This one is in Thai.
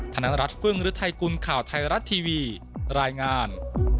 ธนรัฐฟึ่งฤทัยกุลข่าวไทยรัฐทีวีรายงาน